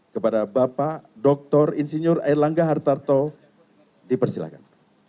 kepada bapak dr insinyur air langga hartarto dipersilakan